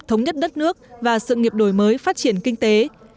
thống nhất đất nước và sự nghiệp đổi mới phát triển kinh tế